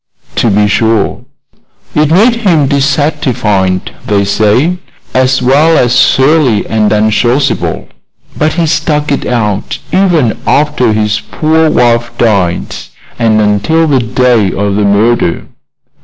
"To be sure." "It made him dissatisfied, they say, as well as surly and unsociable; but he stuck it out even after his poor wife died, and until the day of the murder."